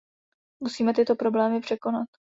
Musíme tyto problémy překonat.